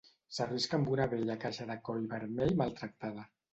S'arrisca amb una vella caixa de coll vermell maltractada.